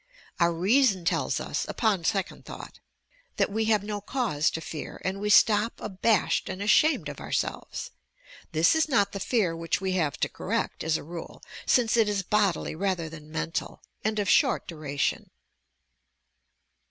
Our reason tells us. upon second thought, that we have no cause to fear, and we stop abashed and ashamed of ourselves. This is not the fear which we have to corrhat, as a rule, since it is bodily rather than mental, and of short duration.